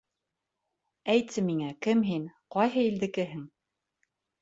Әйтсе миңә, кем һин, ҡайһы илдекеһең?